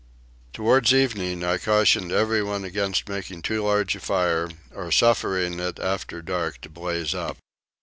Towards evening I cautioned everyone against making too large a fire or suffering it after dark to blaze up.